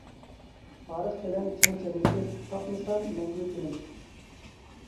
تارىخ بىلەن چىڭ چىرمىشىپ، تاپمىسام مەڭگۈ تىنىم.